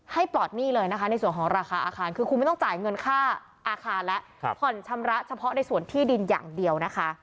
ปลอดหนี้เลยนะคะในส่วนของราคาอาคารคือคุณไม่ต้องจ่ายเงินค่าอาคารแล้วผ่อนชำระเฉพาะในส่วนที่ดินอย่างเดียวนะคะ